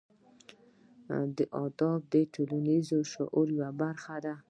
ادب د ټولنیز شعور یوه برخه ده.